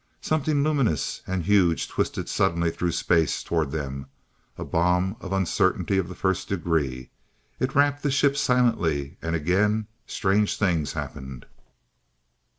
Something luminous and huge twisted suddenly through space toward them, a bomb of "Uncertainty of the First Degree." It wrapped the ship silently and again strange things happened.